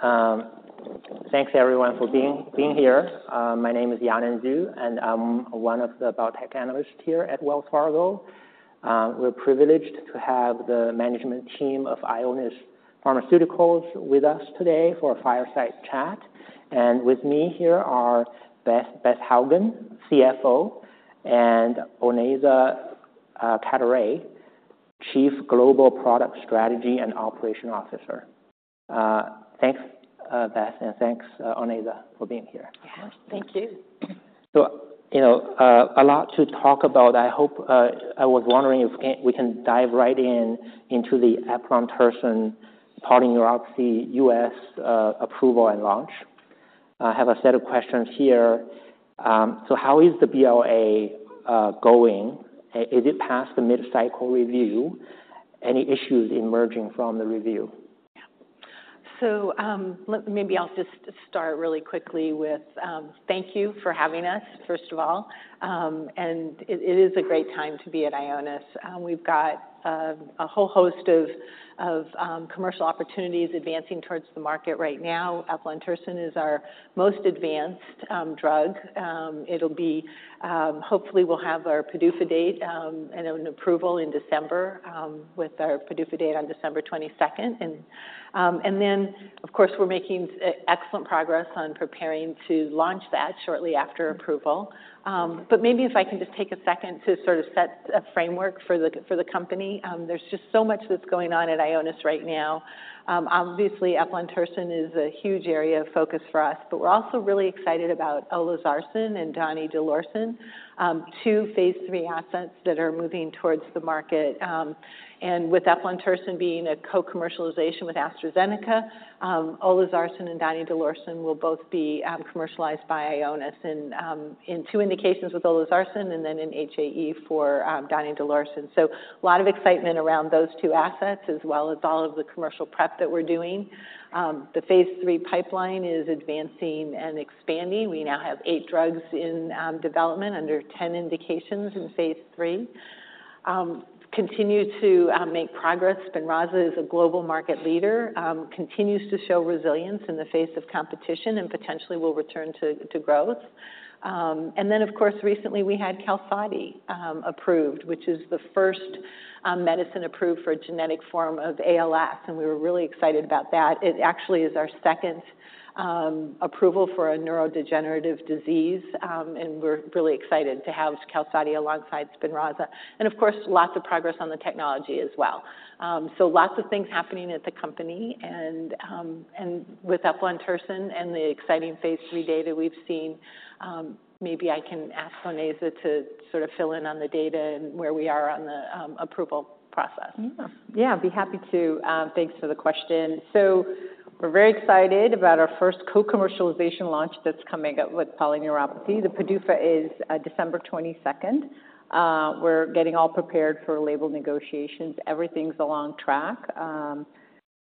Great. Thanks everyone for being here. My name is Yanan Zhu, and I'm one of the biotech analysts here at Wells Fargo. We're privileged to have the management team of Ionis Pharmaceuticals with us today for a fireside chat. With me here are Beth Hougen, CFO, and Onaiza Cadoret-Manier, Chief Global Product Strategy and Operations Officer. Thanks, Beth, and thanks, Onaiza, for being here. Yeah. Thank you. You know, a lot to talk about. I hope, I was wondering if we can dive right in into the eplontersen polyneuropathy U.S., approval and launch. I have a set of questions here. So how is the BLA going? Is it past the mid-cycle review? Any issues emerging from the review? So, let maybe I'll just start really quickly with, thank you for having us, first of all. And it is a great time to be at Ionis. We've got a whole host of commercial opportunities advancing towards the market right now. Eplontersen is our most advanced drug. It'll be, hopefully, we'll have our PDUFA date, and an approval in December, with our PDUFA date on December 22. And then, of course, we're making excellent progress on preparing to launch that shortly after approval. But maybe if I can just take a second to sort of set a framework for the company. There's just so much that's going on at Ionis right now. Obviously, eplontersen is a huge area of focus for us, but we're also really excited about olezarsen and donidalorsen, two phase III assets that are moving towards the market. With eplontersen being a co-commercialization with AstraZeneca, olezarsen and donidalorsen will both be commercialized by Ionis in two indications with olezarsen and then in HAE for donidalorsen. So a lot of excitement around those two assets, as well as all of the commercial prep that we're doing. The phase III pipeline is advancing and expanding. We now have eight drugs in development under ten indications in phase III. We continue to make progress. Spinraza is a global market leader, continues to show resilience in the face of competition and potentially will return to growth. And then, of course, recently we had Qalsody approved, which is the first medicine approved for a genetic form of ALS, and we were really excited about that. It actually is our second approval for a neurodegenerative disease, and we're really excited to have Qalsody alongside Spinraza. And of course, lots of progress on the technology as well. So lots of things happening at the company and, and with eplontersen and the exciting phase III data we've seen. Maybe I can ask Onaiza to sort of fill in on the data and where we are on the approval process. Mm-hmm. Yeah, I'd be happy to. Thanks for the question. So we're very excited about our first co-commercialization launch that's coming up with polyneuropathy. The PDUFA is December 22. We're getting all prepared for label negotiations. Everything's on track,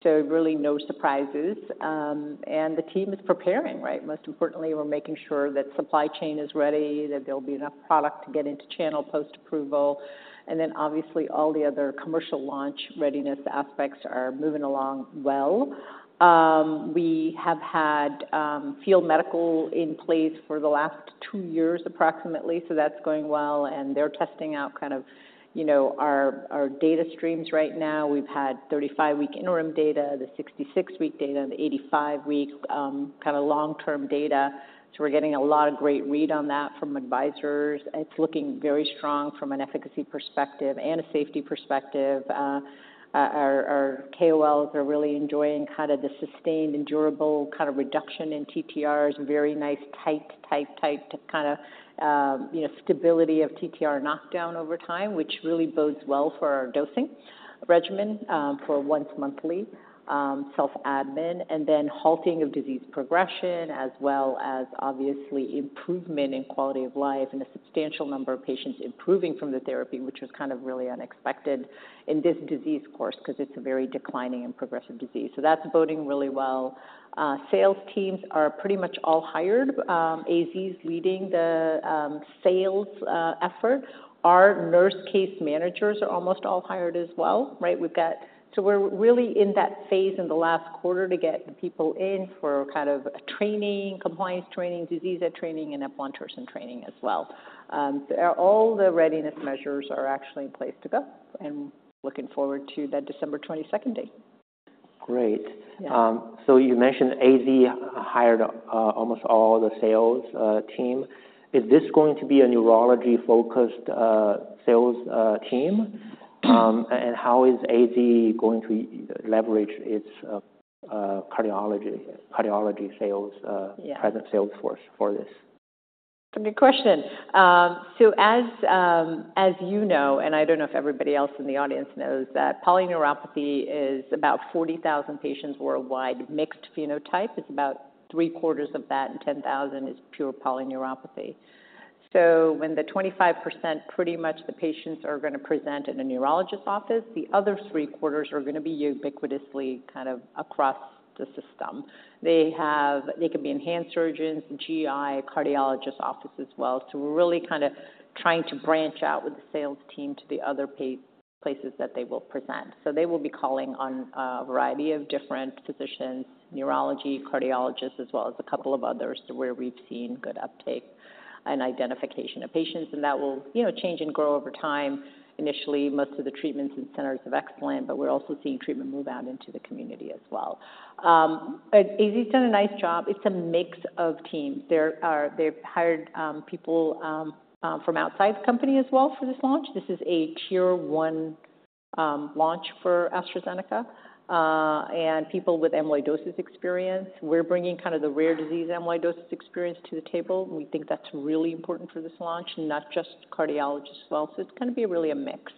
so really no surprises. And the team is preparing, right? Most importantly, we're making sure that supply chain is ready, that there'll be enough product to get into channel post-approval, and then obviously all the other commercial launch readiness aspects are moving along well. We have had field medical in place for the last two years, approximately, so that's going well, and they're testing out kind of, you know, our data streams right now. We've had 35-week interim data, the 66-week data, the 85-week kind of long-term data, so we're getting a lot of great read on that from advisors. It's looking very strong from an efficacy perspective and a safety perspective. Our KOLs are really enjoying kind of the sustained and durable kind of reduction in TTRs, very nice, tight, tight, tight kind of, you know, stability of TTR knockdown over time, which really bodes well for our dosing regimen, for once monthly, self-admin. And then halting of disease progression, as well as obviously improvement in quality of life and a substantial number of patients improving from the therapy, which was kind of really unexpected in this disease course, because it's a very declining and progressive disease. So that's boding really well. Sales teams are pretty much all hired. AZ's leading the sales effort. Our nurse case managers are almost all hired as well, right? We've got... So we're really in that phase in the last quarter to get people in for kind of training, compliance training, disease training, and eplontersen training as well. All the readiness measures are actually in place to go, and looking forward to that December 22 date. Great. Yeah. So you mentioned AZ hired almost all the sales team. Is this going to be a neurology-focused sales team? And how is AZ going to leverage its cardiology sales Yeah... present sales force for this? Good question. So as you know, and I don't know if everybody else in the audience knows that polyneuropathy is about 40,000 patients worldwide, mixed phenotype. It's about 3/4 of that, and 10,000 is pure polyneuropathy. So when the 25%, pretty much the patients are gonna present in a neurologist office, the other three-quarters are gonna be ubiquitously kind of across the system... they could be hand surgeons, GI, cardiologist office as well. So we're really kind of trying to branch out with the sales team to the other places that they will present. So they will be calling on a variety of different physicians, neurology, cardiologists, as well as a couple of others to where we've seen good uptake and identification of patients, and that will, you know, change and grow over time. Initially, most of the treatments in centers of excellence, but we're also seeing treatment move out into the community as well. AZ's done a nice job. It's a mix of teams. They've hired people from outside the company as well for this launch. This is a Tier one launch for AstraZeneca, and people with amyloidosis experience. We're bringing kind of the rare disease amyloidosis experience to the table. We think that's really important for this launch, and not just cardiologists as well. So it's gonna be really a mix,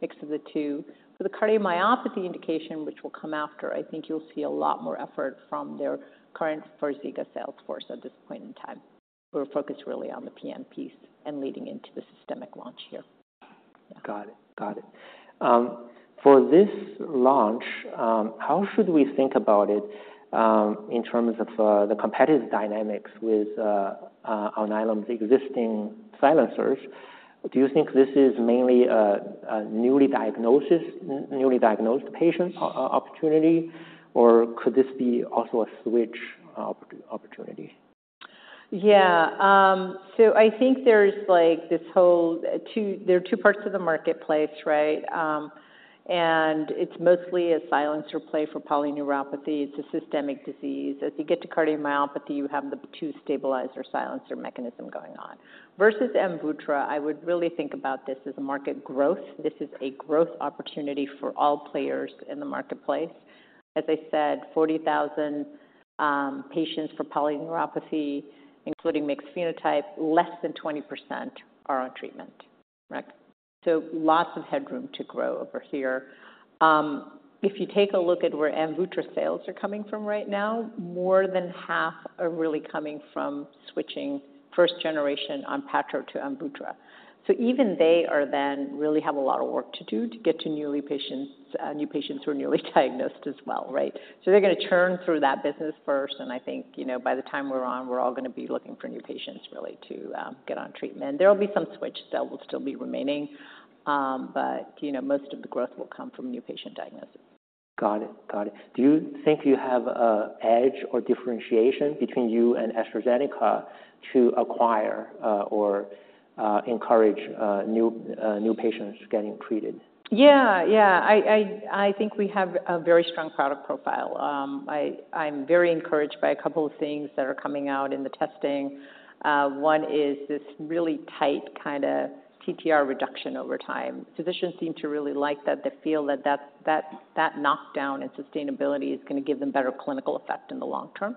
mix of the two. For the cardiomyopathy indication, which will come after, I think you'll see a lot more effort from their current Farxiga sales force at this point in time. We're focused really on the PN piece and leading into the systemic launch here. Got it. Got it. For this launch, how should we think about it in terms of the competitive dynamics with Onpattro's existing silencers? Do you think this is mainly a newly diagnosed patient opportunity, or could this be also a switch opportunity? Yeah, so I think there's, like, there are two parts to the marketplace, right? And it's mostly a silencer play for polyneuropathy. It's a systemic disease. As you get to cardiomyopathy, you have the two stabilizer silencer mechanism going on. Versus Amvuttra, I would really think about this as a market growth. This is a growth opportunity for all players in the marketplace. As I said, 40,000 patients for polyneuropathy, including mixed phenotype, less than 20% are on treatment, right? So lots of headroom to grow over here. If you take a look at where Amvuttra sales are coming from right now, more than half are really coming from switching first generation Onpattro to Amvuttra. So even they are then really have a lot of work to do to get to newly patients, new patients who are newly diagnosed as well, right? So they're gonna churn through that business first, and I think, you know, by the time we're on, we're all gonna be looking for new patients really to get on treatment. There will be some switch that will still be remaining, but, you know, most of the growth will come from new patient diagnoses. Got it. Got it. Do you think you have an edge or differentiation between you and AstraZeneca to acquire, or, encourage, new patients getting treated? Yeah, yeah. I think we have a very strong product profile. I'm very encouraged by a couple of things that are coming out in the testing. One is this really tight kind of TTR reduction over time. Physicians seem to really like that. They feel that that knockdown and sustainability is gonna give them better clinical effect in the long term.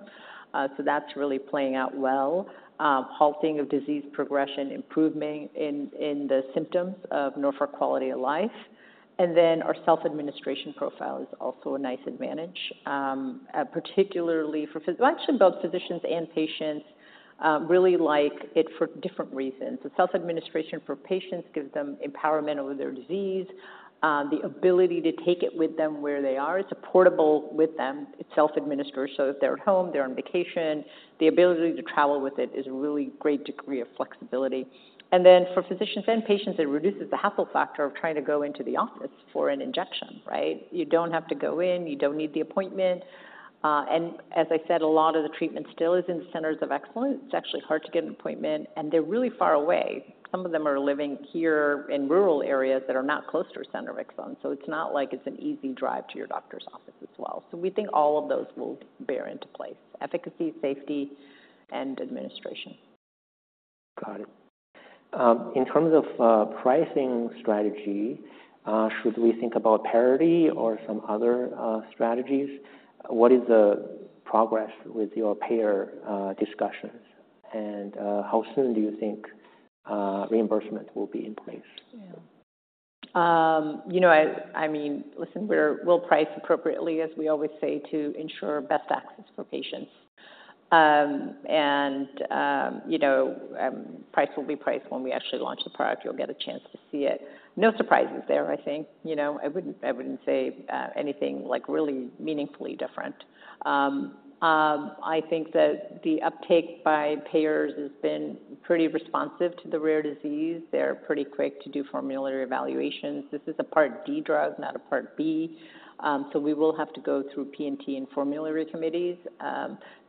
So that's really playing out well. Halting of disease progression, improvement in the symptoms of Norfolk Quality of Life. And then our self-administration profile is also a nice advantage, particularly well, actually, both physicians and patients really like it for different reasons. The self-administration for patients gives them empowerment over their disease, the ability to take it with them where they are. It's a portable with them. It's self-administered, so if they're at home, they're on vacation, the ability to travel with it is a really great degree of flexibility. And then for physicians and patients, it reduces the hassle factor of trying to go into the office for an injection, right? You don't have to go in, you don't need the appointment, and as I said, a lot of the treatment still is in centers of excellence. It's actually hard to get an appointment, and they're really far away. Some of them are living here in rural areas that are not close to a center of excellence. So it's not like it's an easy drive to your doctor's office as well. So we think all of those will bear into place: efficacy, safety, and administration. Got it. In terms of pricing strategy, should we think about parity or some other strategies? What is the progress with your payer discussions, and how soon do you think reimbursement will be in place? Yeah. You know, I mean, listen, we'll price appropriately, as we always say, to ensure best access for patients. And you know, price will be priced when we actually launch the product. You'll get a chance to see it. No surprises there, I think. You know, I wouldn't say anything like really meaningfully different. I think that the uptake by payers has been pretty responsive to the rare disease. They're pretty quick to do formulary evaluations. This is a Part D drug, not a Part B, so we will have to go through P&T and formulary committees.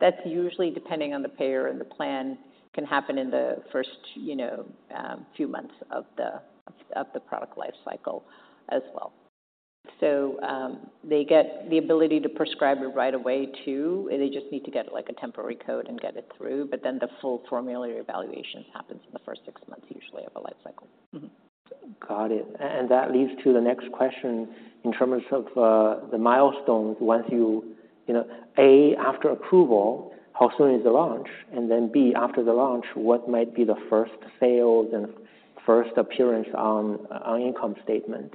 That's usually depending on the payer, and the plan can happen in the first few months of the product lifecycle as well. So, they get the ability to prescribe it right away too. They just need to get, like, a temporary code and get it through, but then the full formulary evaluations happens in the first six months, usually, of a life cycle. Mm-hmm. Got it. That leads to the next question in terms of the milestones once you—you know, A, after approval, how soon is the launch? And then, B, after the launch, what might be the first sales and first appearance on the income statement?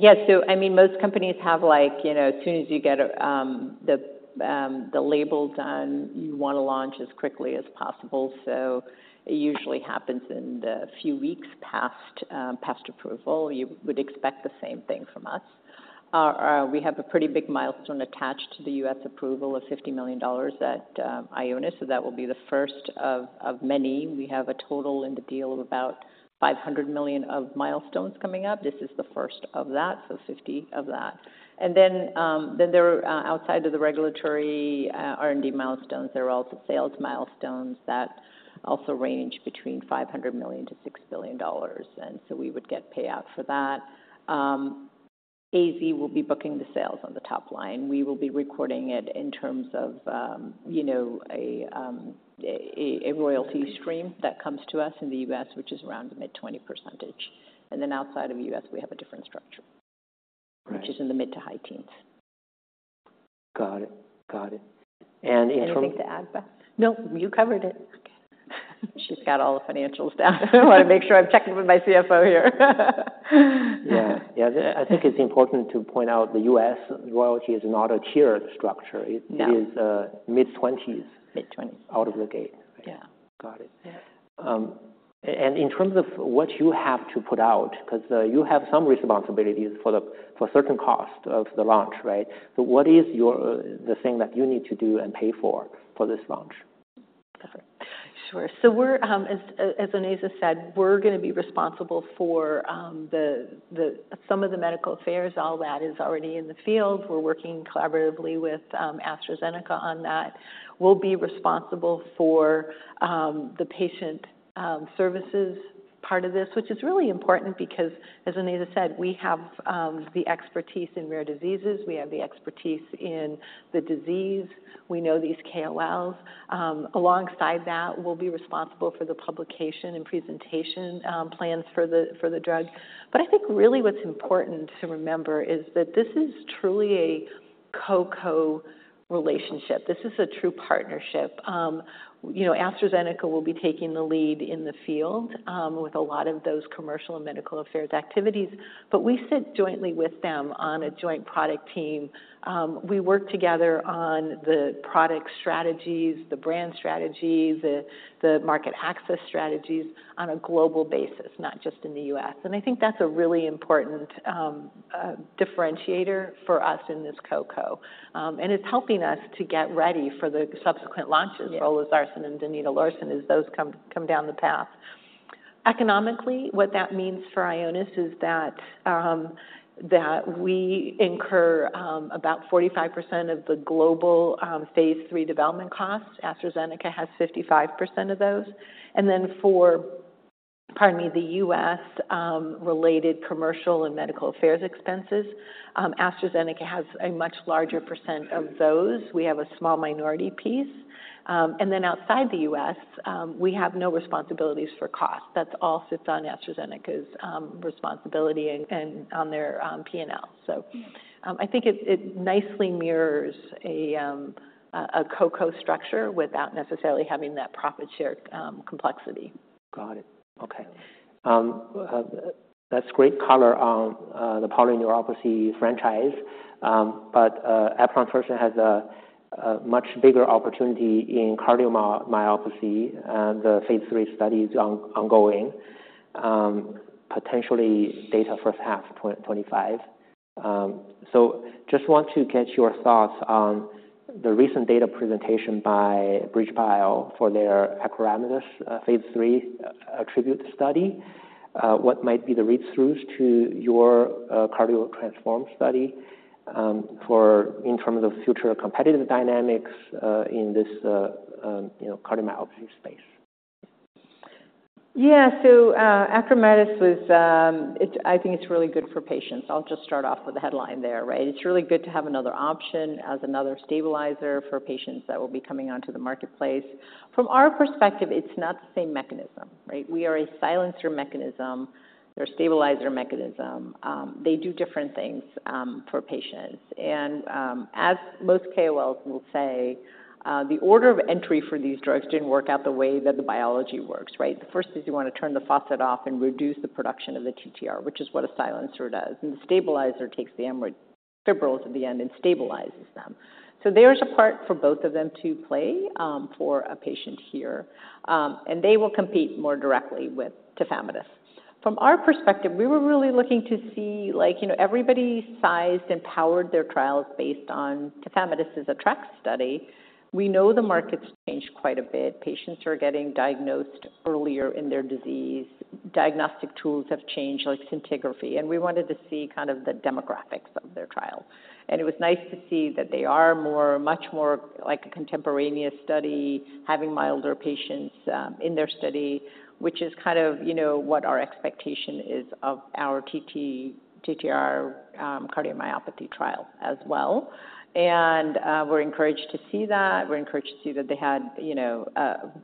Yes, so I mean, most companies have like, you know, as soon as you get the label done, you want to launch as quickly as possible, so it usually happens in the few weeks past approval. You would expect the same thing from us. We have a pretty big milestone attached to the U.S. approval of $50 million at Ionis. So that will be the first of many. We have a total in the deal of about $500 million of milestones coming up. This is the first of that, so $50 of that. And then there are outside of the regulatory R&D milestones, there are also sales milestones that also range between $500 million-$6 billion, and so we would get payout for that. AZ will be booking the sales on the top line. We will be recording it in terms of, you know, a royalty stream that comes to us in the U.S., which is around the mid-20%. And then outside of the U.S., we have a different structure- Right. -which is in the mid to high teens. Got it. Got it. And in terms- Anything to add, Beth? No, you covered it. She's got all the financials down. I want to make sure I'm checking with my CFO here. Yeah. Yeah, I think it's important to point out the U.S. royalty is not a tier structure. No. It is mid-twenties- Mid-twenties Out of the gate. Yeah. Got it. Yeah. And in terms of what you have to put out, 'cause you have some responsibilities for certain cost of the launch, right? So what is your the thing that you need to do and pay for this launch? Sure. So we're, as Onaiza said, we're gonna be responsible for some of the medical affairs. All that is already in the field. We're working collaboratively with AstraZeneca on that. We'll be responsible for the patient services part of this, which is really important because, as Onaiza said, we have the expertise in rare diseases. We have the expertise in the disease. We know these KOLs. Alongside that, we'll be responsible for the publication and presentation plans for the drug. But I think really what's important to remember is that this is truly a co-co relationship. This is a true partnership. You know, AstraZeneca will be taking the lead in the field with a lot of those commercial and medical affairs activities, but we sit jointly with them on a joint product team. We work together on the product strategies, the brand strategies, the market access strategies on a global basis, not just in the U.S. And I think that's a really important differentiator for us in this co-co, and it's helping us to get ready for the subsequent launches. Yes... olezarsen and Donidalorsen as those come down the path. Economically, what that means for Ionis is that that we incur about 45% of the global phase three development costs. AstraZeneca has 55% of those. And then for, pardon me, the U.S. related commercial and medical affairs expenses, AstraZeneca has a much larger percent of those. We have a small minority piece. And then outside the U.S., we have no responsibilities for cost. That's all sits on AstraZeneca's responsibility and on their P&L. So I think it nicely mirrors a a co-co structure without necessarily having that profit share complexity. Got it. Okay. That's great color on the polyneuropathy franchise. But Eplontersen has a much bigger opportunity in cardiomyopathy, and the phase III study is ongoing. Potentially data first half 2025. So just want to get your thoughts on the recent data presentation by BridgeBio for their acoramidis phase III ATTRibute study. What might be the read-throughs to your CARDIO-TTRansform study for in terms of future competitive dynamics in this you know cardiomyopathy space? Yeah. So, acoramidis was, I think it's really good for patients. I'll just start off with the headline there, right? It's really good to have another option as another stabilizer for patients that will be coming onto the marketplace. From our perspective, it's not the same mechanism, right? We are a silencer mechanism or stabilizer mechanism. They do different things, for patients. And, as most KOLs will say, the order of entry for these drugs didn't work out the way that the biology works, right? The first is you want to turn the faucet off and reduce the production of the TTR, which is what a silencer does. And the stabilizer takes the amyloid fibrils at the end and stabilizes them. So there's a part for both of them to play, for a patient here, and they will compete more directly with tafamidis. From our perspective, we were really looking to see, like, you know, everybody sized and powered their trials based on tafamidis' ATTR-ACT study. We know the market's changed quite a bit. Patients are getting diagnosed earlier in their disease. Diagnostic tools have changed, like scintigraphy, and we wanted to see kind of the demographics of their trial. And it was nice to see that they are much more like a contemporaneous study, having milder patients in their study, which is kind of, you know, what our expectation is of our TTR cardiomyopathy trial as well. And we're encouraged to see that. We're encouraged to see that they had, you know,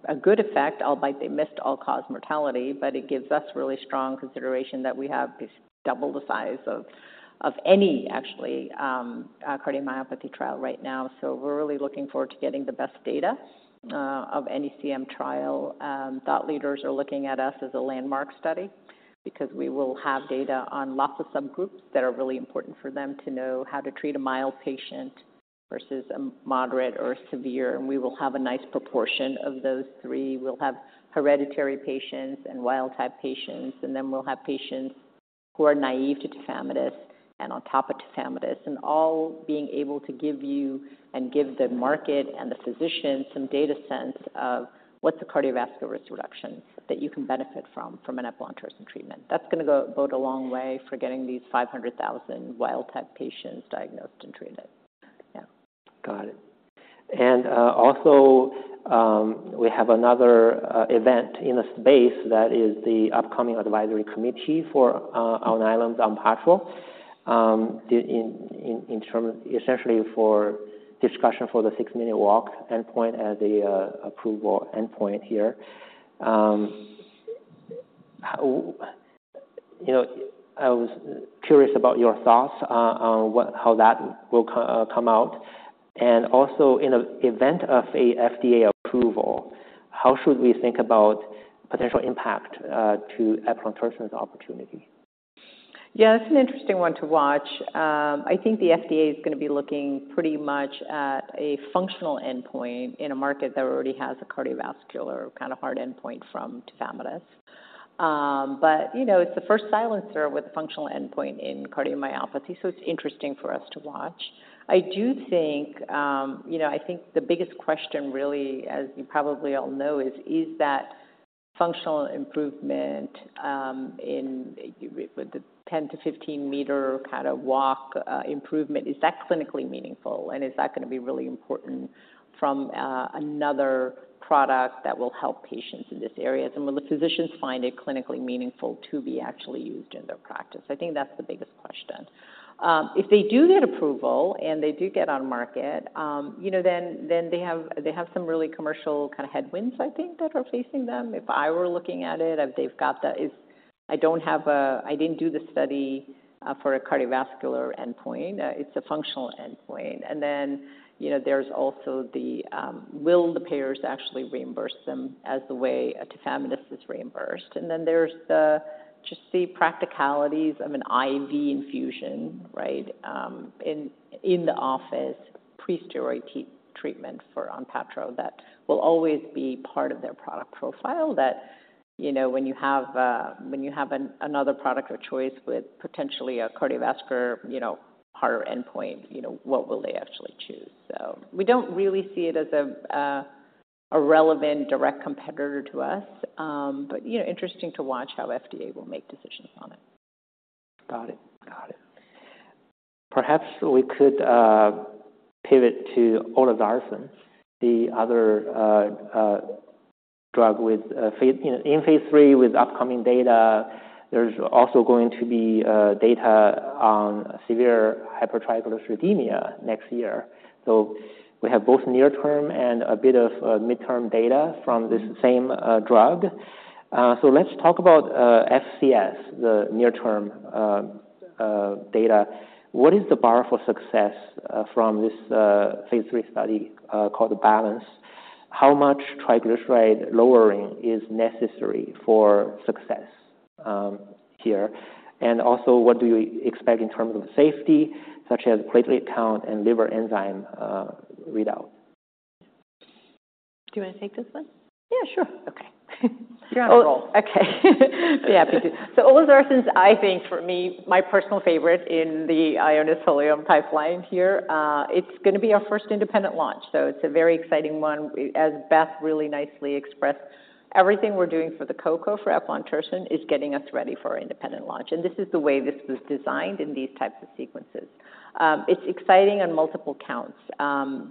a good effect, albeit they missed all-cause mortality, but it gives us really strong consideration that we have double the size of any actually cardiomyopathy trial right now. So we're really looking forward to getting the best data of any CM trial. Thought leaders are looking at us as a landmark study because we will have data on lots of subgroups that are really important for them to know how to treat a mild patient versus a moderate or severe, and we will have a nice proportion of those three. We'll have hereditary patients and wild-type patients, and then we'll have patients who are naive to tafamidis and on top of tafamidis, and all being able to give you and give the market and the physician some data sense of what's the cardiovascular risk reduction that you can benefit from, from an Eplontersen treatment. That's gonna go a long way for getting these 500,000 wild-type patients diagnosed and treated. Yeah. Got it. Also, we have another event in a space that is the upcoming advisory committee for Onpattro, essentially for discussion for the six-minute walk endpoint as a approval endpoint here. You know, I was curious about your thoughts on what how that will come out, and also in the event of a FDA approval, how should we think about potential impact to eplontersen's opportunity? Yeah, it's an interesting one to watch. I think the FDA is gonna be looking pretty much at a functional endpoint in a market that already has a cardiovascular kind of hard endpoint from tafamidis. But, you know, it's the first silencer with a functional endpoint in cardiomyopathy, so it's interesting for us to watch. I do think, you know, I think the biggest question really, as you probably all know, is: Is that functional improvement in the 10-15-meter kind of walk improvement clinically meaningful, and is that gonna be really important from another product that will help patients in this area? Will the physicians find it clinically meaningful to be actually used in their practice? I think that's the biggest question. If they do get approval and they do get on market, you know, then, then they have, they have some really commercial kind of headwinds, I think, that are facing them. If I were looking at it, if they've got the... I didn't do the study for a cardiovascular endpoint. It's a functional endpoint, and then, you know, there's also the, will the payers actually reimburse them as the way a tafamidis is reimbursed? And then there's just the practicalities of an IV infusion, right, in the office, pre-steroid treatment for Onpattro. That will always be part of their product profile that, you know, when you have another product or choice with potentially a cardiovascular, you know, harder endpoint, you know, what will they actually choose? So we don't really see it as a relevant direct competitor to us, but, you know, interesting to watch how FDA will make decisions on it. Got it. Got it. Perhaps we could pivot to olezarsen, the other drug with phase, you know, in phase III with upcoming data. There's also going to be data on severe hypertriglyceridemia next year. So we have both near term and a bit of midterm data from this same drug. So let's talk about FCS, the near-term data. What is the bar for success from this phase III study called BALANCE? How much triglyceride lowering is necessary for success here? And also, what do you expect in terms of safety, such as platelet count and liver enzyme readout? Do you want to take this one? Yeah, sure. Okay. You're on a roll. Okay. Yeah. So olezarsen, I think for me, my personal favorite in the Ionis' solid pipeline here, it's gonna be our first independent launch, so it's a very exciting one. As Beth really nicely expressed, everything we're doing for the co-co for eplontersen is getting us ready for our independent launch, and this is the way this was designed in these types of sequences. It's exciting on multiple counts.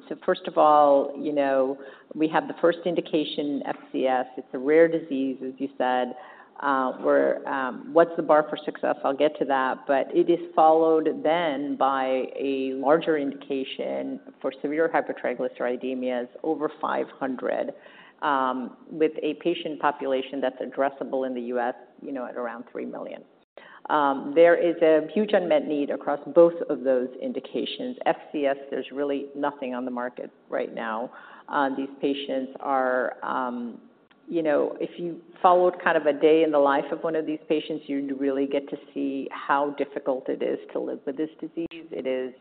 So first of all, you know, we have the first indication, FCS. It's a rare disease, as you said. Where, what's the bar for success? I'll get to that, but it is followed then by a larger indication for severe hypertriglyceridemias over 500, with a patient population that's addressable in the U.S., you know, at around 3 million. There is a huge unmet need across both of those indications. FCS, there's really nothing on the market right now. These patients are. You know, if you followed kind of a day in the life of one of these patients, you'd really get to see how difficult it is to live with this disease. It is,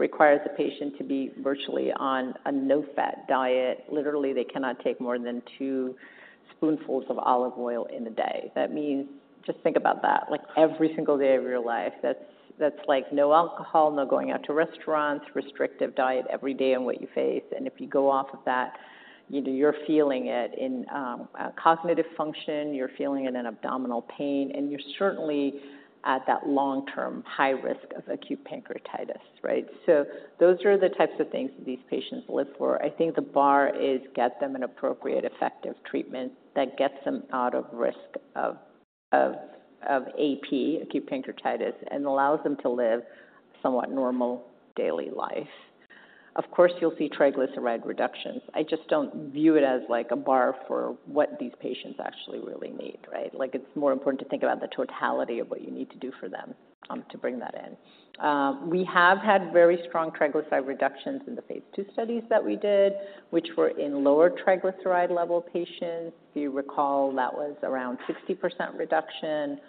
requires a patient to be virtually on a no-fat diet. Literally, they cannot take more than two spoonfuls of olive oil in a day. That means, just think about that, like, every single day of your life. That's, that's like no alcohol, no going out to restaurants, restrictive diet every day on what you face, and if you go off of that, you know, you're feeling it in, cognitive function, you're feeling it in abdominal pain, and you're certainly at that long-term high risk of acute pancreatitis, right? So those are the types of things these patients live for. I think the bar is get them an appropriate, effective treatment that gets them out of risk of AP, acute pancreatitis, and allows them to live somewhat normal daily life. Of course, you'll see triglyceride reductions. I just don't view it as, like, a bar for what these patients actually really need, right? Like, it's more important to think about the totality of what you need to do for them to bring that in. We have had very strong triglyceride reductions, two studies that we did, which were in lower triglyceride level patients. If you recall, that was around 60% reduction.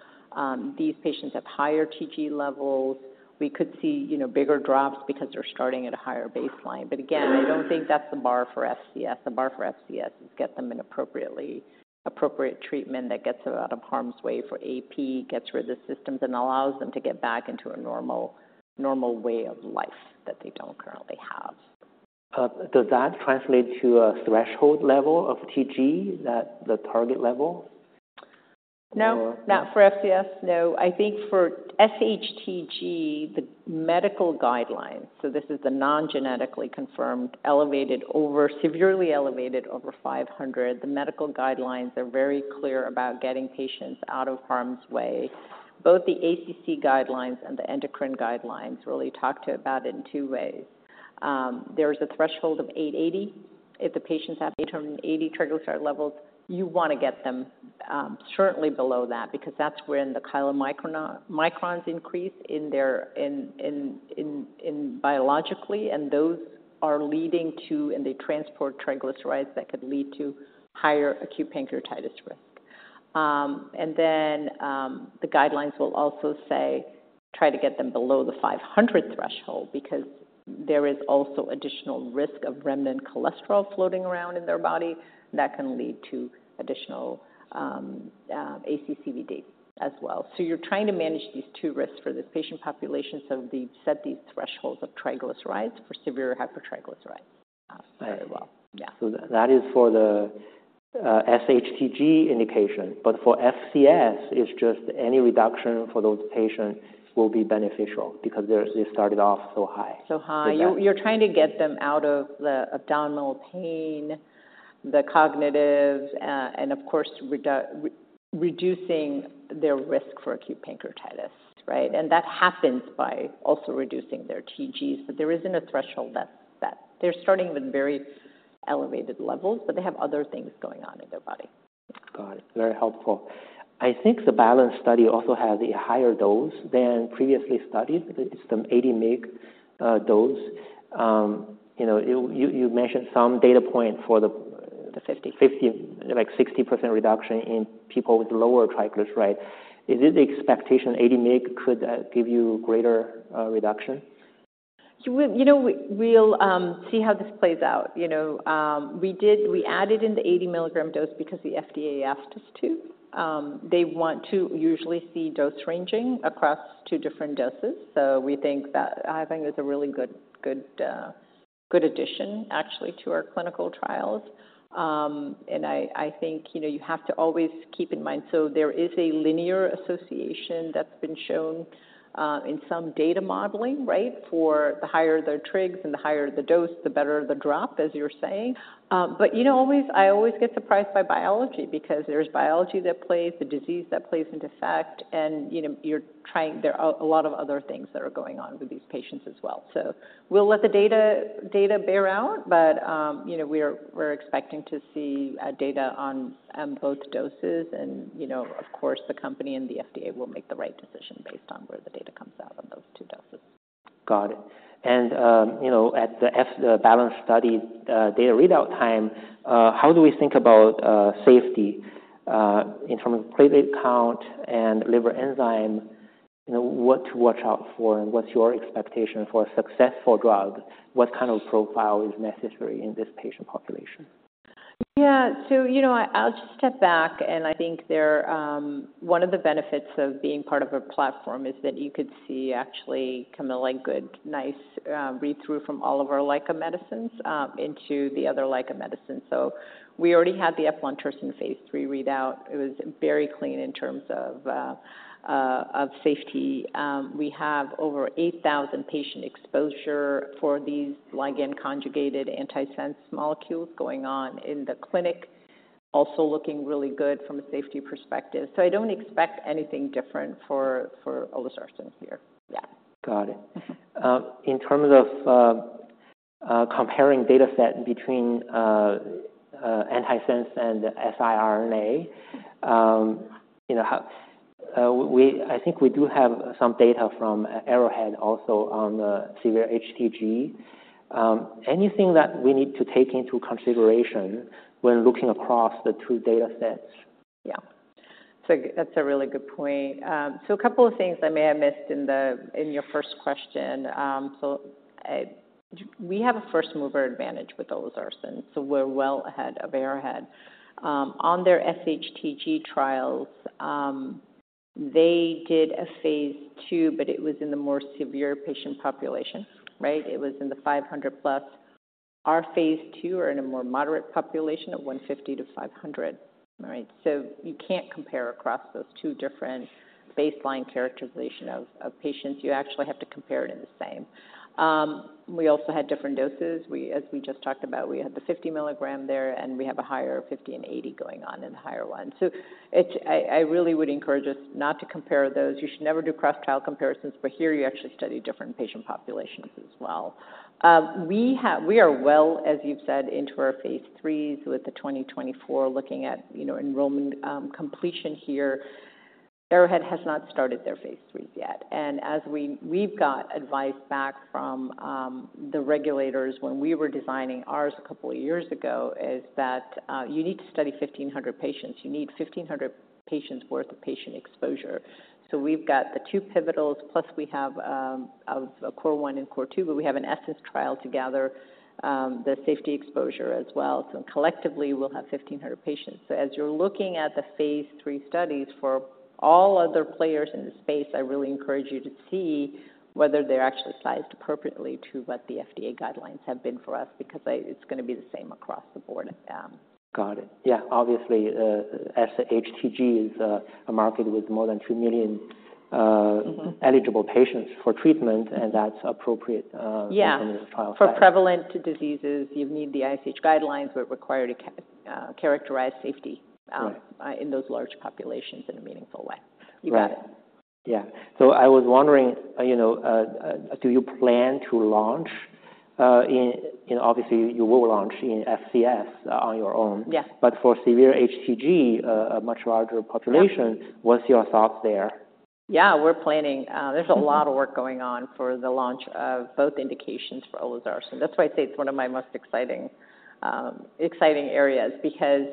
These patients have higher TG levels. We could see, you know, bigger drops because they're starting at a higher baseline. But again, I don't think that's the bar for FCS. The bar for FCS is to get them an appropriate treatment that gets them out of harm's way for AP, gets rid of symptoms, and allows them to get back into a normal way of life that they don't currently have. Does that translate to a threshold level of TG, that the target level? Or- No, not for FCS. No. I think for SHTG, the medical guidelines, so this is the non-genetically confirmed, severely elevated over 500. The medical guidelines are very clear about getting patients out of harm's way. Both the ACC guidelines and the endocrine guidelines really talk about it in two ways. There's a threshold of 880. If the patients have 880 triglyceride levels, you want to get them certainly below that because that's when the chylomicrons increase in their biologically, and those are leading to... And they transport triglycerides that could lead to higher acute pancreatitis risk. And then, the guidelines will also say, "Try to get them below the 500 threshold," because there is also additional risk of remnant cholesterol floating around in their body that can lead to additional, ASCVD as well. So you're trying to manage these two risks for this patient population, so we've set these thresholds of triglycerides for severe hypertriglycerides very well. Yeah. That is for the SHTG indication, but for FCS, it's just any reduction for those patients will be beneficial because they started off so high. So high. Yeah. You're trying to get them out of the abdominal pain, the cognitive, and of course, reducing their risk for acute pancreatitis, right? And that happens by also reducing their TGs, but there isn't a threshold that... They're starting with very elevated levels, but they have other things going on in their body. Got it. Very helpful. I think the BALANCE study also has a higher dose than previously studied. It's some 80 mg dose. You know, you mentioned some data point for the 50%, 50%, like, 60% reduction in people with lower triglycerides. Is it the expectation 80 mg could give you greater reduction? You know what? We'll see how this plays out. You know, we added in the 80 mg dose because the FDA asked us to. They want to usually see dose ranging across two different doses, so we think I think it's a really good, good, good addition, actually, to our clinical trials. And I, I think, you know, you have to always keep in mind, so there is a linear association that's been shown in some data modeling, right? For the higher the trigs and the higher the dose, the better the drop, as you're saying. But, you know, I always get surprised by biology because there's biology that plays, the disease that plays into fact, and, you know, There are a lot of other things that are going on with these patients as well. So we'll let the data bear out, but, you know, we're expecting to see data on both doses and, you know, of course, the company and the FDA will make the right decision based on where the data comes out on those two doses. Got it. And, you know, at the BALANCE study, data readout time, how do we think about safety, in terms of platelet count and liver enzyme? You know, what to watch out for and what's your expectation for a successful drug? What kind of profile is necessary in this patient population? Yeah. So, you know, I'll just step back, and I think there. One of the benefits of being part of a platform is that you could see actually kind of like good, nice, read-through from all of our LICA medicines into the other LICA medicines. So we already had the eplontersen phase 3 readout. It was very clean in terms of safety. We have over 8,000 patient exposure for these ligand-conjugated antisense molecules going on in the clinic, also looking really good from a safety perspective. So I don't expect anything different for olezarsen here. Yeah. Got it. In terms of comparing data set between antisense and siRNA, you know, I think we do have some data from Arrowhead also on the severe SHTG. Anything that we need to take into consideration when looking across the two data sets? Yeah. So that's a really good point. So a couple of things I may have missed in the, in your first question. So, we have a first-mover advantage with olezarsen, so we're well ahead of Arrowhead. On their SHTG trials, they did a phase II, but it was in the more severe patient population, right? It was in the 500+. Our phase II are in a more moderate population of 150-500. All right? So you can't compare across those two different baseline characterization of, of patients. You actually have to compare it in the same. We also had different doses. We, as we just talked about, we had the 50 mg there, and we have a higher 50 and 80 going on in the higher one. So it's, I, I really would encourage us not to compare those. You should never do cross-trial comparisons, but here you actually study different patient populations as well. We are well, as you've said, into our phase IIIs, with 2024 looking at, you know, enrollment completion here. Arrowhead has not started their phase III yet. And as we, we've got advice back from the regulators when we were designing ours a couple of years ago, is that you need to study 1,500 patients. You need 1,500 patients worth of patient exposure. So we've got the two pivotals, plus we have a CORE 1 and CORE 2, but we have an ESSENCE trial to gather the safety exposure as well. So collectively, we'll have 1,500 patients. So as you're looking at the phase 3 studies for all other players in the space, I really encourage you to see whether they're actually sized appropriately to what the FDA guidelines have been for us, because it's gonna be the same across the board. Got it. Yeah, obviously, SHTG is a market with more than 2 million, Mm-hmm eligible patients for treatment, and that's appropriate. Yeah from the trial side. For prevalent diseases, you need the ICH guidelines, where it require to characterize safety. Right in those large populations in a meaningful way. Right. You got it. Yeah. So I was wondering, you know, do you plan to launch in... Obviously, you will launch in FCS on your own. Yes. But for severe SHTG, a much larger population, what's your thoughts there? Yeah, we're planning. There's a lot of work going on for the launch of both indications for olezarsen. That's why I say it's one of my most exciting, exciting areas. Because,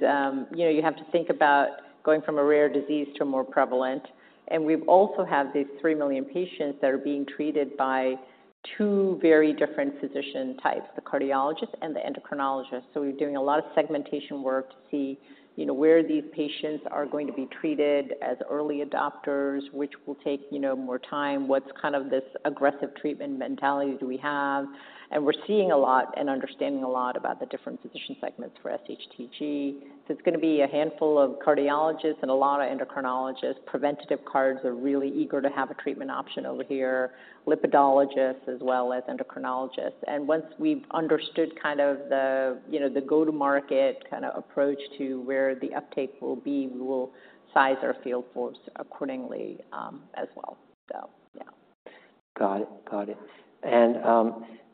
you know, you have to think about going from a rare disease to a more prevalent. And we've also have these 3 million patients that are being treated by two very different physician types: the cardiologist and the endocrinologist. So we're doing a lot of segmentation work to see, you know, where these patients are going to be treated as early adopters, which will take, you know, more time. What's kind of this aggressive treatment mentality do we have? And we're seeing a lot and understanding a lot about the different physician segments for SHTG. So it's gonna be a handful of cardiologists and a lot of endocrinologists. Preventive cardiologists are really eager to have a treatment option over here, lipidologists as well as endocrinologists. Once we've understood kind of the, you know, the go-to-market kind of approach to where the uptake will be, we will size our field force accordingly, as well. Yeah. Got it. Got it.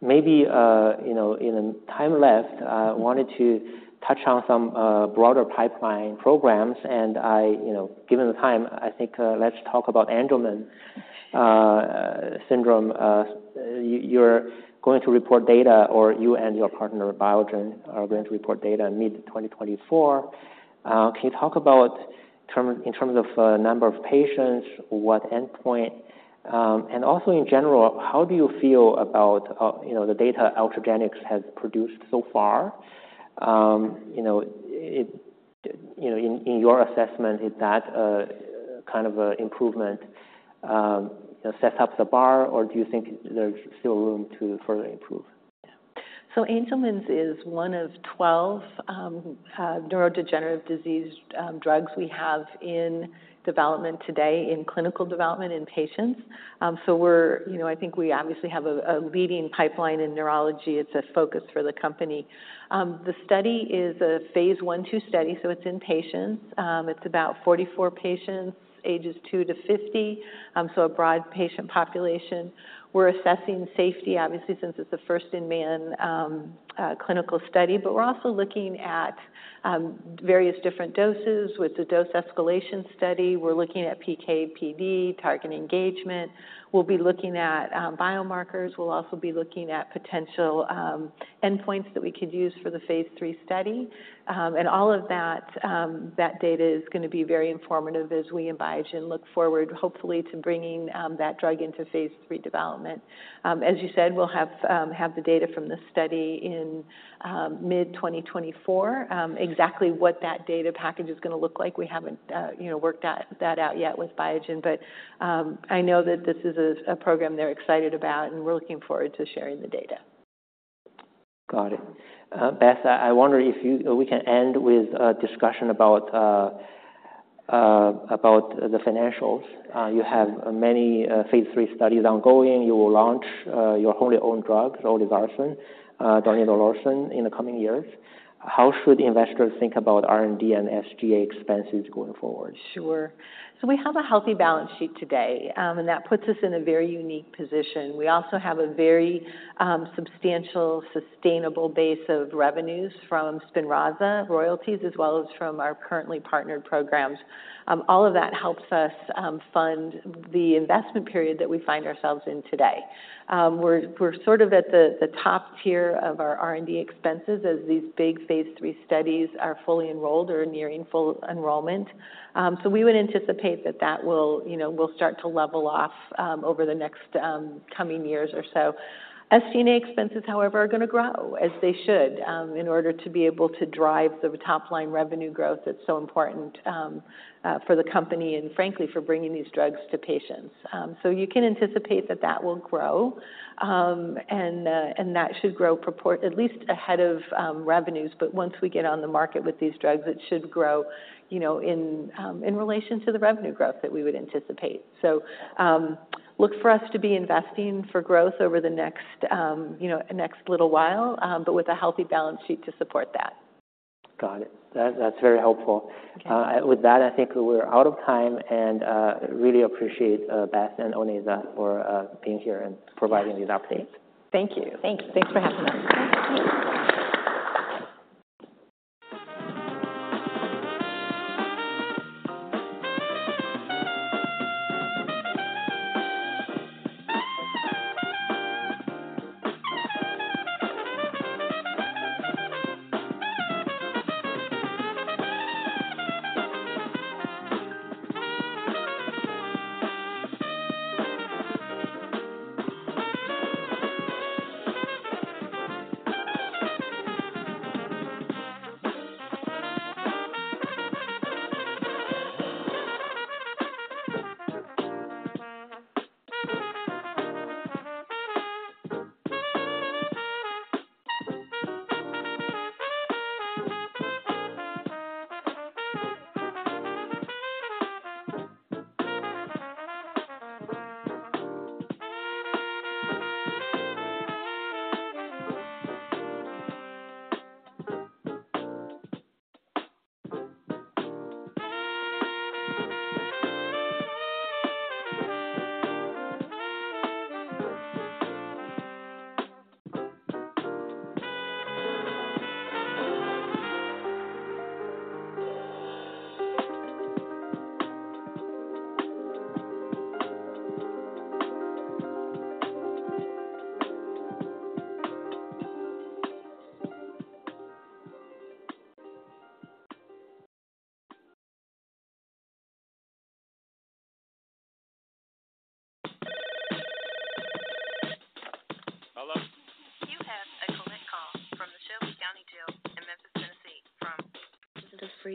Maybe, you know, in the time left, I wanted to touch on some broader pipeline programs. I, you know, given the time, I think, let's talk about Angelman Syndrome. You, you're going to report data, or you and your partner, Biogen, are going to report data in mid-2024. Can you talk about in terms of, number of patients, what endpoint? And also in general, how do you feel about, you know, the data Ultragenyx has produced so far? You know, in your assessment, is that, kind of a improvement, sets up the bar, or do you think there's still room to further improve? Yeah. So Angelman's is one of 12 neurodegenerative disease drugs we have in development today, in clinical development in patients. So we're, you know, I think we obviously have a leading pipeline in neurology. It's a focus for the company. The study is a phase I, II study, so it's in patients. It's about 44 patients, ages 2 to 50, so a broad patient population. We're assessing safety, obviously, since it's a first in man clinical study. But we're also looking at various different doses with the dose escalation study. We're looking at PK/PD, target engagement. We'll be looking at biomarkers. We'll also be looking at potential endpoints that we could use for the phase III study. And all of that data is gonna be very informative as we and Biogen look forward, hopefully, to bringing that drug into phase III development. As you said, we'll have the data from the study in mid-2024. Exactly what that data package is gonna look like, we haven't, you know, worked that out yet with Biogen. But I know that this is a program they're excited about, and we're looking forward to sharing the data. Got it. Beth, I wonder if you we can end with a discussion about, about the financials. You have many phase III studies ongoing. You will launch your wholly owned drugs, olezarsen, donidalorsen, in the coming years. How should investors think about R&D and SG&A expenses going forward? Sure. So we have a healthy balance sheet today, and that puts us in a very unique position. We also have a very substantial sustainable base of revenues from Spinraza royalties, as well as from our currently partnered programs. All of that helps us fund the investment period that we find ourselves in today. We're sort of at the top tier of our R&D expenses as these big phase III studies are fully enrolled or are nearing full enrollment. So we would anticipate that will, you know, start to level off over the next coming years or so. SG&A expenses, however, are gonna grow, as they should, in order to be able to drive the top-line revenue growth that's so important for the company and frankly, for bringing these drugs to patients. So you can anticipate that that will grow, and that should grow at least ahead of revenues. But once we get on the market with these drugs, it should grow, you know, in relation to the revenue growth that we would anticipate. So look for us to be investing for growth over the next, you know, next little while, but with a healthy balance sheet to support that. Got it. That, that's very helpful. Okay. With that, I think we're out of time, and really appreciate Beth and Onaiza for being here and providing these updates. Thank you. Thank you. Thanks for having us. ...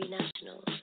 I guess so. Yeah, yeah, we're just gonna go through it.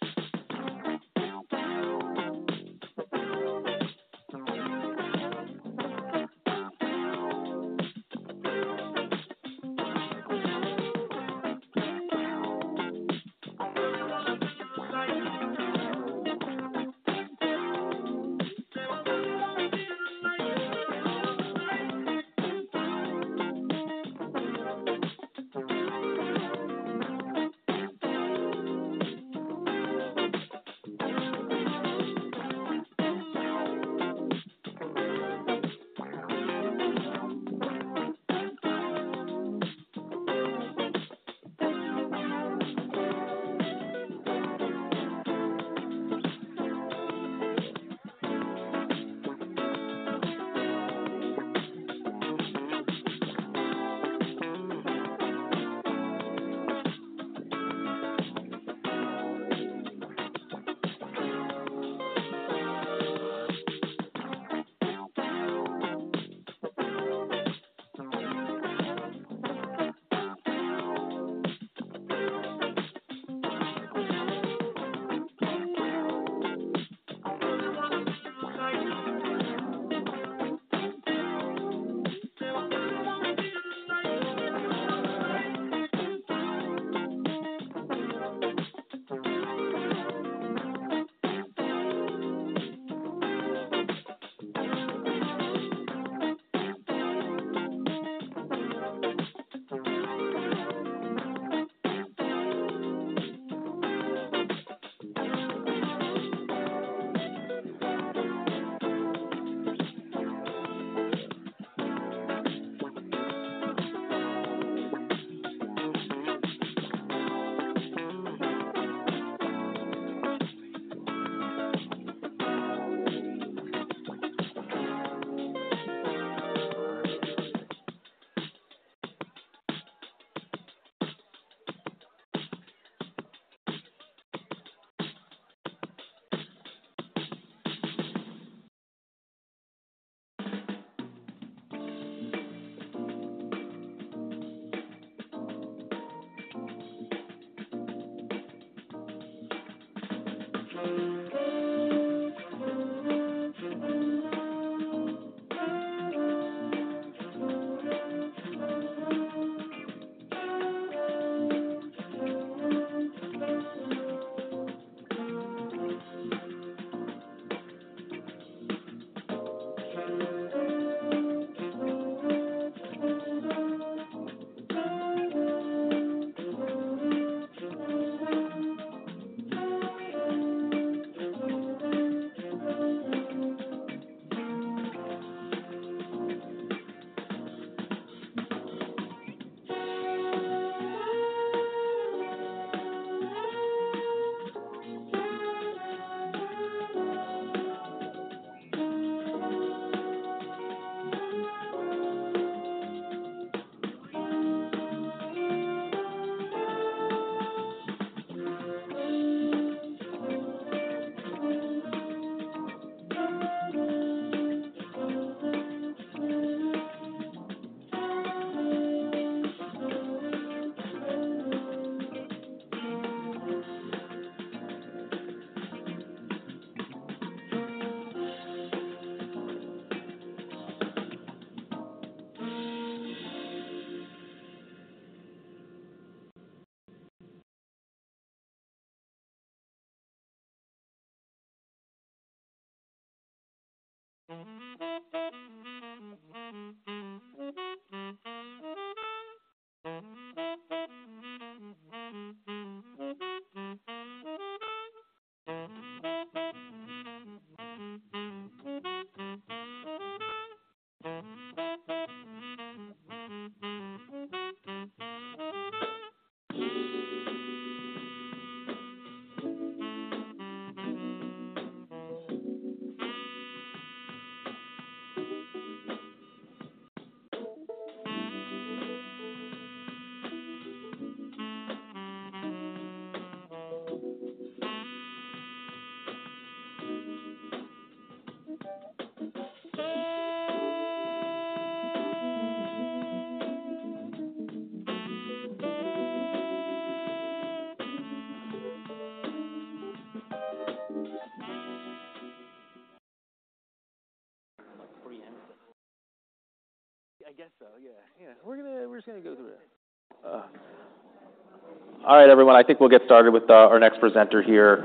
All right, everyone, I think we'll get started with our next presenter here.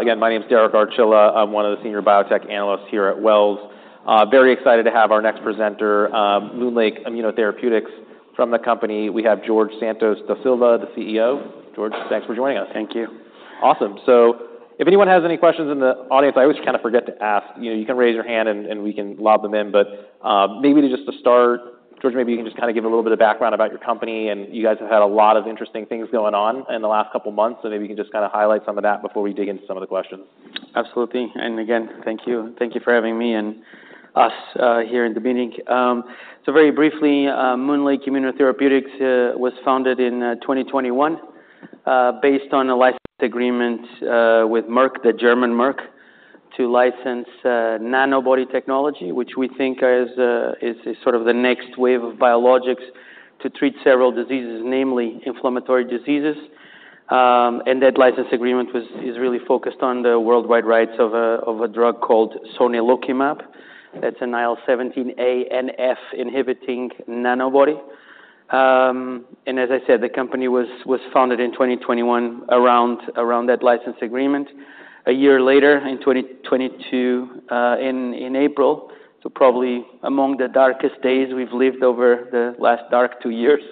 Again, my name is Derek Archila. I'm one of the senior biotech analysts here at Wells. Very excited to have our next presenter, MoonLake Immunotherapeutics. From the company, we have Jorge Santos da Silva, the CEO. Jorge, thanks for joining us. Thank you. Awesome. So if anyone has any questions in the audience, I always kind of forget to ask, you know, you can raise your hand and we can lob them in, but maybe just to start, Jorge, maybe you can just kind of give a little bit of background about your company, and you guys have had a lot of interesting things going on in the last couple of months, so maybe you can just kind of highlight some of that before we dig into some of the questions. Absolutely. Again, thank you. Thank you for having me and us here in the beginning. So very briefly, MoonLake Immunotherapeutics was founded in 2021, based on a license agreement with Merck, the German Merck, to license nanobody technology, which we think is sort of the next wave of biologics to treat several diseases, namely inflammatory diseases. And that license agreement is really focused on the worldwide rights of a drug called sonelokimab. That's an IL-17A and IL-17F inhibiting nanobody. And as I said, the company was founded in 2021 around that license agreement. A year later, in 2022, in April, so probably among the darkest days we've lived over the last dark 2 years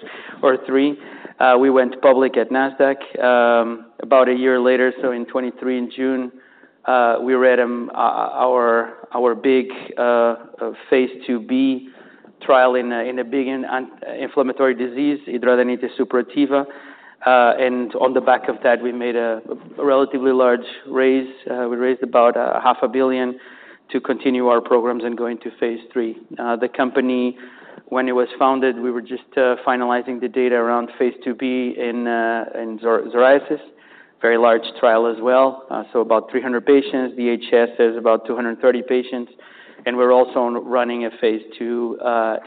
or 3, we went public at Nasdaq. About a year later, so in June 2023, we read out our big phase IIb trial in a big inflammatory disease, hidradenitis suppurativa. On the back of that, we made a relatively large raise. We raised about $500 million to continue our programs and go into phase III. The company, when it was founded, we were just finalizing the data around phase IIb in severe psoriasis. Very large trial as well. So about 300 patients. HS is about 230 patients, and we're also running a phase II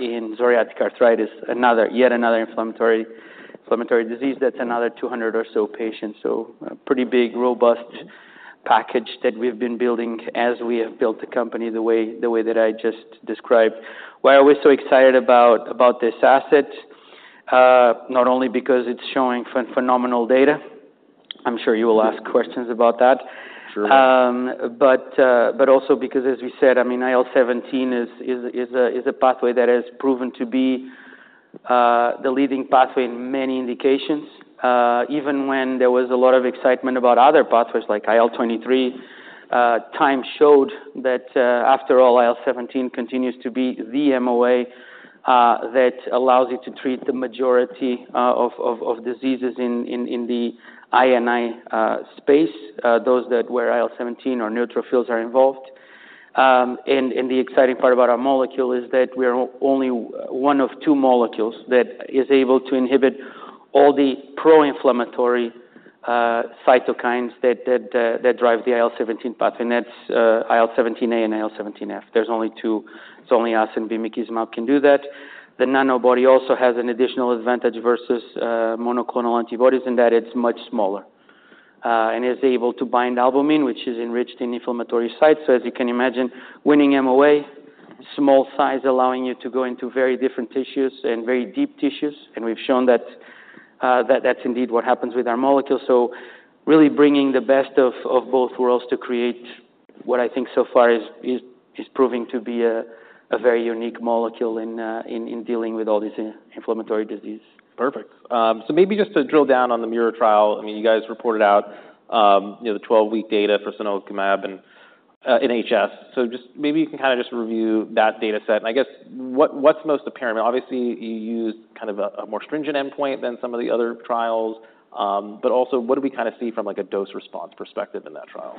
in psoriatic arthritis, another, yet another inflammatory disease that's another 200 or so patients. So a pretty big, robust package that we've been building as we have built the company the way, the way that I just described. Why are we so excited about this asset? Not only because it's showing phenomenal data, I'm sure you will ask questions about that. Sure. But also because, as we said, I mean, IL-17 is a pathway that has proven to be the leading pathway in many indications. Even when there was a lot of excitement about other pathways, like IL-23, time showed that after all, IL-17 continues to be the MOA that allows you to treat the majority of diseases in the INI space, those where IL-17 or neutrophils are involved. And the exciting part about our molecule is that we're only one of two molecules that is able to inhibit all the pro-inflammatory cytokines that drive the IL-17 path, and that's IL-17A and IL-17F. There's only two. It's only us, and bimekizumab can do that. The Nanobody also has an additional advantage versus monoclonal antibodies, in that it's much smaller and is able to bind albumin, which is enriched in inflammatory sites. So as you can imagine, winning MOA, small size allowing you to go into very different tissues and very deep tissues, and we've shown that that's indeed what happens with our molecules. So really bringing the best of both worlds to create what I think so far is proving to be a very unique molecule in dealing with all these inflammatory disease. Perfect. So maybe just to drill down on the MIRA trial, I mean, you guys reported out, you know, the 12-week data for sonelokimab and in HS. So just maybe you can kind of just review that data set, and I guess what, what's most apparent? Obviously, you used kind of a more stringent endpoint than some of the other trials, but also, what do we kind of see from, like, a dose-response perspective in that trial?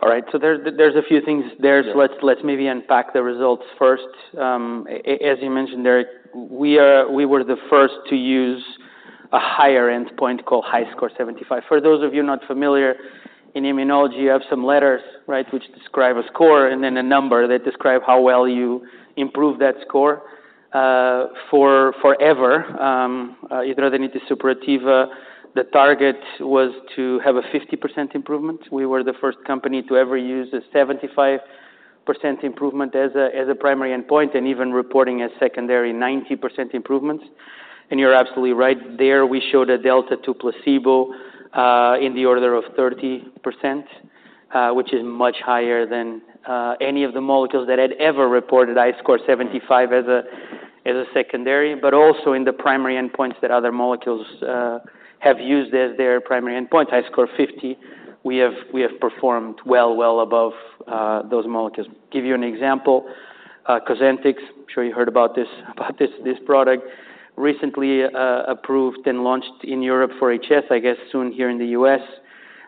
All right, so there's, there's a few things there. Yeah. So let's maybe unpack the results first. As you mentioned, Derek, we were the first to use a higher endpoint called HS75. For those of you not familiar, in immunology, you have some letters, right, which describe a score and then a number that describe how well you improve that score, forever. Hidradenitis suppurativa, the target was to have a 50% improvement. We were the first company to ever use a 75% improvement as a primary endpoint, and even reporting a secondary 90% improvements. And you're absolutely right. There, we showed a delta to placebo in the order of 30%, which is much higher than any of the molecules that had ever reported HS75 as a secondary, but also in the primary endpoints that other molecules have used as their primary endpoint, HS50. We have performed well above those molecules. Give you an example, Cosentyx, I'm sure you heard about this, about this, this product recently approved and launched in Europe for HS, I guess, soon here in the US,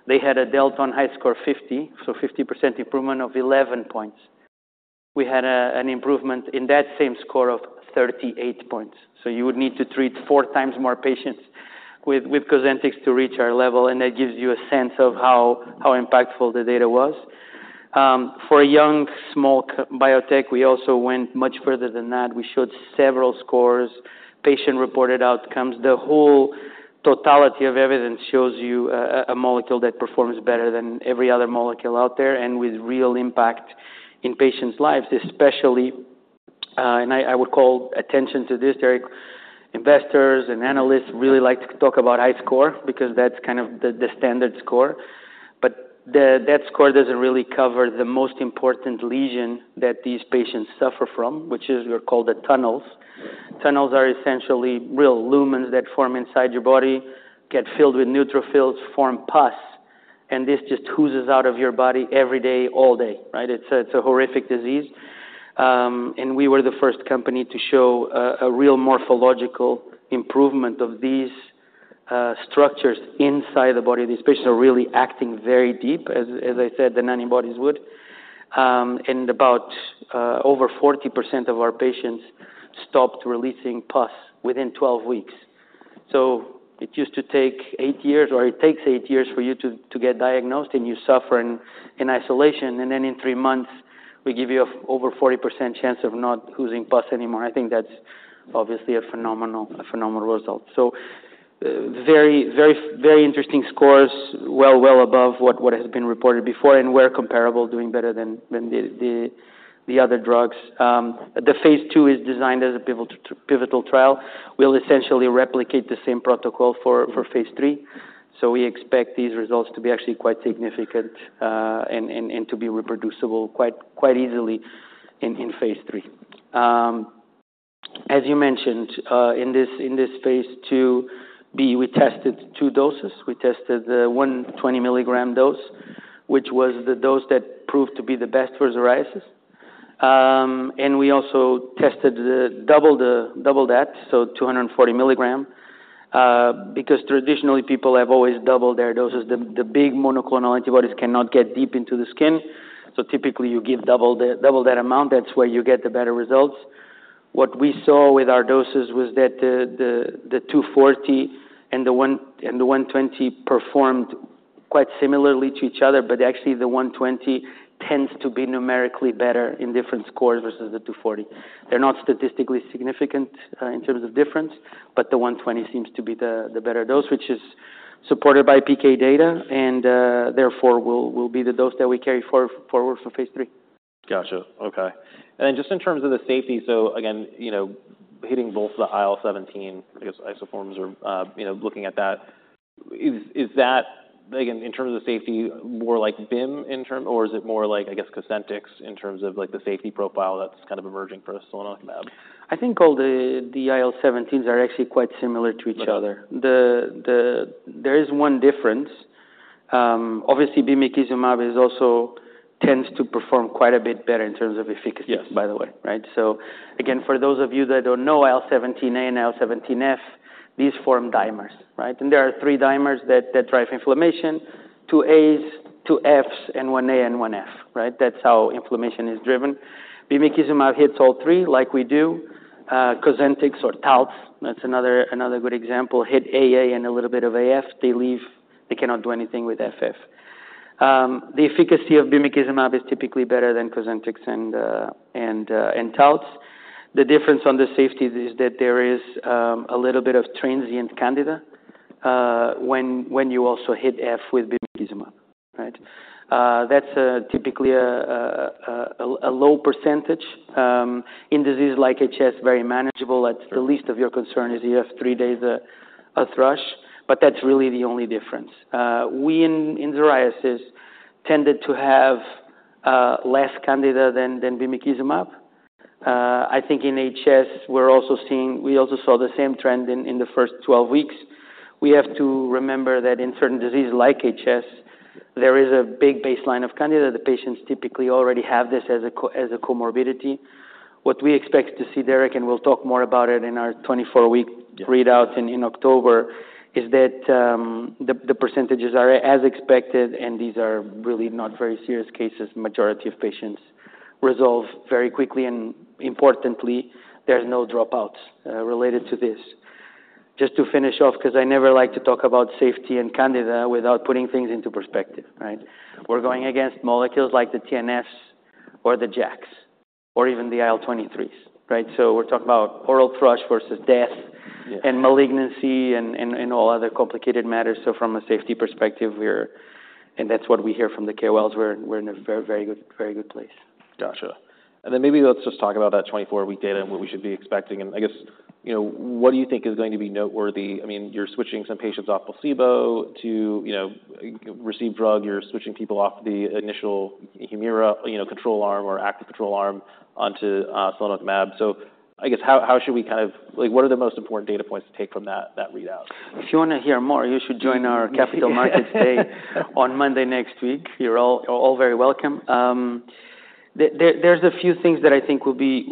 they had a delta on HiSCR50, so 50% improvement of 11 points. We had an improvement in that same score of 38 points. So you would need to treat 4x more patients with Cosentyx to reach our level, and that gives you a sense of how impactful the data was. For a young, small-cap biotech, we also went much further than that. We showed several scores, patient-reported outcomes. The whole totality of evidence shows you a molecule that performs better than every other molecule out there, and with real impact in patients' lives, especially, and I would call attention to this, Derek. Investors and analysts really like to talk about HiSCR because that's kind of the standard score, but that score doesn't really cover the most important lesion that these patients suffer from, which is, we call the tunnels. Tunnels are essentially real lumens that form inside your body, get filled with neutrophils, form pus, and this just oozes out of your body every day, all day, right? It's a horrific disease. And we were the first company to show a real morphological improvement of these structures inside the body. These patients are really acting very deep, as I said, the nanobodies would. And about over 40% of our patients stopped releasing pus within 12 weeks. So it used to take 8 years, or it takes 8 years for you to get diagnosed, and you suffer in isolation, and then in 3 months, we give you a over 40% chance of not oozing pus anymore. I think that's obviously a phenomenal result. So very, very, very interesting scores, well above what has been reported before, and we're comparable, doing better than the other drugs. The phase II is designed as a pivotal trial. We'll essentially replicate the same protocol for phase III. So we expect these results to be actually quite significant, and to be reproducible quite easily in phase III. As you mentioned, in this phase IIb, we tested two doses. We tested the 120 mg dose, which was the dose that proved to be the best for psoriasis. And we also tested doubled that, so 240 mg, because traditionally, people have always doubled their doses. The big monoclonal antibodies cannot get deep into the skin, so typically you give double the- double that amount, that's where you get the better results. What we saw with our doses was that the 240 and the 120 performed quite similarly to each other, but actually the 120 tends to be numerically better in different scores versus the 240. They're not statistically significant in terms of difference, but the 120 seems to be the better dose, which is supported by PK data and therefore will be the dose that we carry forward for phase III. Gotcha. Okay. And just in terms of the safety, so again, you know, hitting both the IL-17, I guess, isoforms or, you know, looking at that, is, is that, again, in terms of safety, more like Bim in term, or is it more like, I guess, Cosentyx in terms of, like, the safety profile that's kind of emerging for us sonelokimab? I think all the IL-17s are actually quite similar to each other. Right. There is one difference. Obviously, bimekizumab is also tends to perform quite a bit better in terms of efficacy- Yes. By the way, right? So again, for those of you that don't know, IL-17A and IL-17F, these form dimers, right? And there are three dimers that drive inflammation, two A's, two F's, and one A, and one F, right? That's how inflammation is driven. bimekizumab hits all three, like we do. Cosentyx or Taltz, that's another good example, hit AA and a little bit of AF. They leave- they cannot do anything with FF. The efficacy of bimekizumab is typically better than Cosentyx and Taltz. The difference on the safety is that there is a little bit of transient Candida when you also hit F with bimekizumab, right? That's typically a low percentage in disease like HS, very manageable. Sure. That's the least of your concern: you have three days of thrush, but that's really the only difference. We, in psoriasis, tended to have less Candida than bimekizumab. I think in HS, we're also seeing... We also saw the same trend in the first 12 weeks. We have to remember that in certain diseases like HS, there is a big baseline of Candida. The patients typically already have this as a comorbidity. What we expect to see, Derek, and we'll talk more about it in our 24-week- Yeah -readout in October, is that, the percentages are as expected, and these are really not very serious cases. Majority of patients resolve very quickly, and importantly, there's no dropouts related to this. Just to finish off, 'cause I never like to talk about safety and Candida without putting things into perspective, right? Sure. We're going against molecules like the TNFs or the JAKs, or even the IL-23s, right? So we're talking about oral thrush versus death- Yeah... and malignancy and all other complicated matters. So from a safety perspective, we're... And that's what we hear from the KOLs. We're in a very, very good place. Gotcha. Then maybe let's just talk about that 24-week data and what we should be expecting. And I guess, you know, what do you think is going to be noteworthy? I mean, you're switching some patients off placebo to, you know, receive drug. You're switching people off the initial Humira, you know, control arm or active control arm onto sonelokimab. So I guess, how should we kind of—like, what are the most important data points to take from that readout? If you wanna hear more, you should join our Capital Markets Day on Monday next week. You're all very welcome. There, there's a few things that I think will be more-